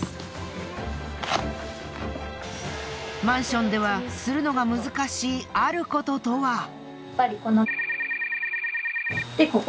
マンションではするのが難しいある事とは？